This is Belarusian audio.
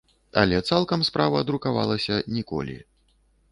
Але цалкам справа друкавалася ніколі.